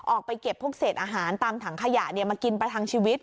ออกไปเก็บพวกเศษอาหารตามถังขยะมากินประทังชีวิต